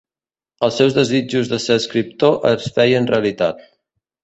Els seus desitjos de ser escriptor es feien realitat.